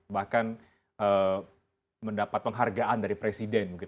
bahkan mendapat penghargaan dari presiden